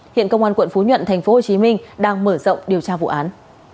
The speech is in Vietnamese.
hiện công an quận phú nhuận tp hcm đang mở rộng điều tra vụ án